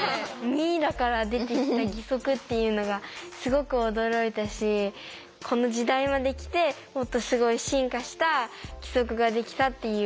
ミイラから出てきた義足っていうのがすごく驚いたしこの時代まで来てもっとすごい進化した義足ができたっていう。